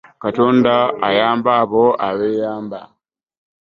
Katonda ayamba abo abeyamba.